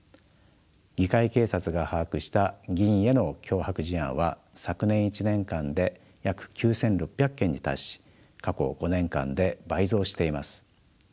議会警察が把握した議員への脅迫事案は昨年１年間で約９，６００件に達し過去５年間で倍増しています。